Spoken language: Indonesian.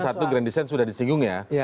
satu grand design sudah disinggung ya